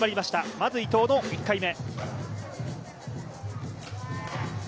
まず伊藤の１回目。